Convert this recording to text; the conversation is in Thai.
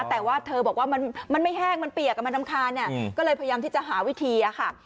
แต่ว่าเธอบอกว่ามันไม่แห้งมันเปียกมันรำคาญก็เลยพยายามที่จะหาวิธีอะค่ะ